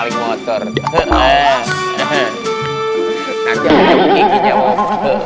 dikaul demikian bilding begingamin motor